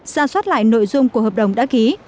ra soát lại nội dung của hợp đồng đã ký